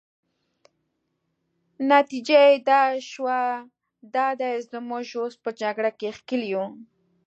نتیجه يې دا شوه، دا دی موږ اوس په جګړه کې ښکېل یو.